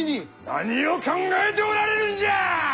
何を考えておられるんじゃ！